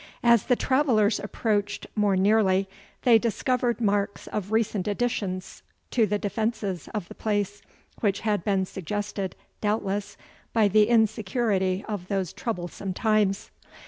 As the travellers approached more nearly, they discovered marks of recent additions to the defences of the place, which had been suggested, doubtless, by the insecurity of those troublesome times.